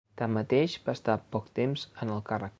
Tanmateix va estar poc temps en el càrrec.